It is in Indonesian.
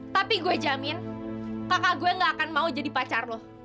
tapi gue jamin kakak gue gak akan mau jadi pacar loh